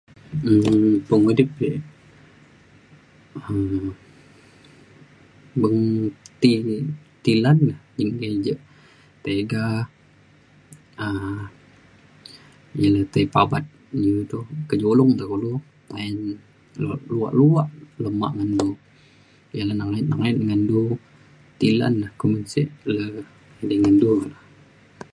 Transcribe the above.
um pengudip ek um beng ti ti lan ne. je' engke ja' tega um ia le tai pabat iu to ka' julung ne kulu ayen luak-luak lemak ngan du. ya le nengayet nengayet ngan du. ti lan ne kumin sik le edei ngan du.